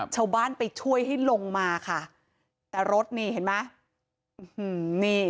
ชาวบ้านไปช่วยให้ลงมาค่ะแต่รถนี่เห็นไหม